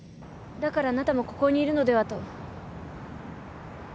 だからあなたもここにいるのではと。